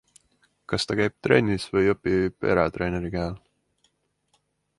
Kas ta käib trennis või õpib eratreeneri käe all?